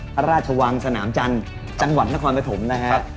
พระราชวังสนามจันทร์จังหวัดนครปฐมนะฮะ